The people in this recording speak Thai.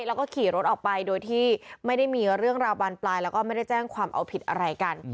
แล้วก็ขี่รถออกไปโดยที่ไม่ได้มีเรื่องราวบานปลายแล้วก็ไม่ได้แจ้งความเอาผิดอะไรกัน